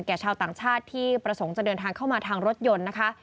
ชาวต่างชาติที่ประสงค์จะเดินทางเข้ามาทางรถยนต์นะคะ